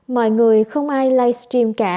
mọi người không ai livestream